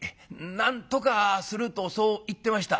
「『なんとかする』とそう言ってました」。